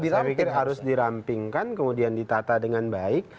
saya pikir harus dirampingkan kemudian ditata dengan baik